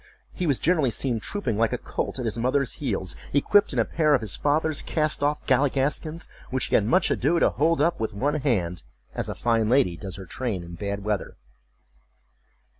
He was generally seen trooping like a colt at his mother's heels, equipped in a pair of his father's cast off galligaskins, which he had much ado to hold up with one hand, as a fine lady does her train in bad weather.